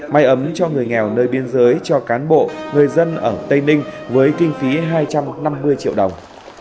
mai ấm cho người nghèo nơi biên giới cho cán bộ người dân ở tây ninh với kinh phí hai trăm năm mươi triệu đồng